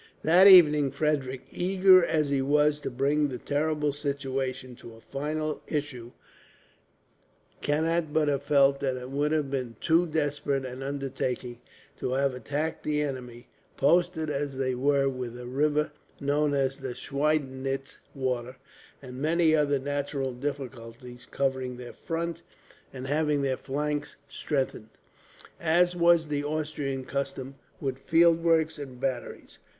That evening Frederick, eager as he was to bring the terrible situation to a final issue, cannot but have felt that it would have been too desperate an undertaking to have attacked the enemy; posted as they were with a river (known as Schweidnitz Water) and many other natural difficulties covering their front, and having their flanks strengthened, as was the Austrian custom, with field works and batteries.